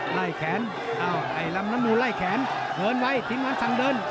ไล่แขนไอ้ลำน้ำมูลไล่แขนเหลินไว้ทิ้งมันสั่งเดิน